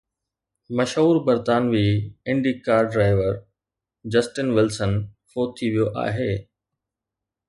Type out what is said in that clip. مشهور برطانوي indie car driver Justin Wilson فوت ٿي ويو آهي